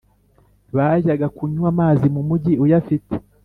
bajyaga kunywa amazi mu mugi uyafite,